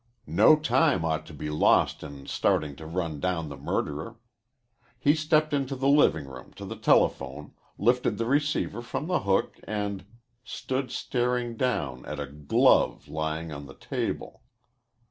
No time ought to be lost in starting to run down the murderer. He stepped into the living room to the telephone, lifted the receiver from the hook, and stood staring down at a glove lying on the table.